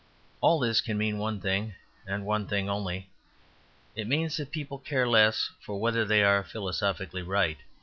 All this can mean one thing, and one thing only. It means that people care less for whether they are philosophically right.